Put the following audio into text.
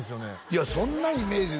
いやそんなイメージ